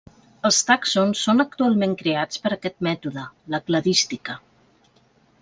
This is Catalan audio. Els tàxons són actualment creats per aquest mètode, la cladística.